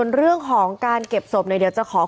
ก็เป็นสถานที่ตั้งมาเพลงกุศลศพให้กับน้องหยอดนะคะ